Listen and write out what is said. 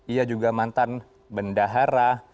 ia juga mantan bendahara